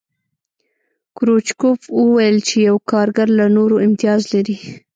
کرو چکوف وویل چې یو کارګر له نورو امتیاز لري